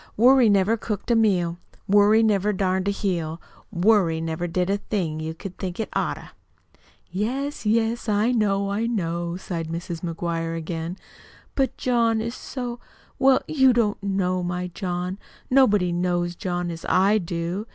Worry never cooked a meal, Worry never darned a heel, Worry never did a thing you'd think it oughter!" "Yes, yes, I know, I know," sighed Mrs. McGuire again. "But John is so well, you don't know my John. Nobody knows John as I do.